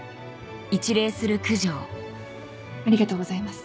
ありがとうございます。